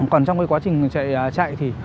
còn trong quá trình chạy